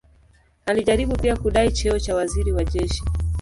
Alijaribu pia kudai cheo cha waziri wa jeshi.